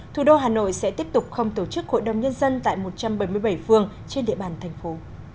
thủ đô hà nội sẽ tiếp tục không tổ chức hội đồng nhân dân tại một trăm bảy mươi bảy phương trên địa bàn thành phố